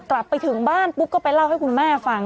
กลับไปถึงบ้านปุ๊บก็ไปเล่าให้คุณแม่ฟัง